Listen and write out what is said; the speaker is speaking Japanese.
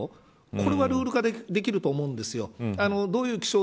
これはルール化できると思うんです。